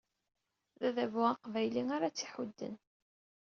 D adabu aqbayli ara tt-iḥudden.